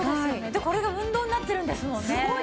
でこれが運動になってるんですもんね。